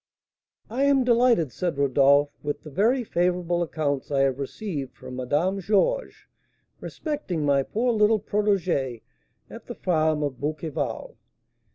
"I am delighted," said Rodolph, "with the very favourable accounts I have received from Madame Georges respecting my poor little protégée at the farm of Bouqueval.